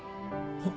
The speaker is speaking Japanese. あっ。